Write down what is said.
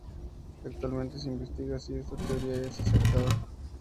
Actualmente se investiga si esta teoría es acertada.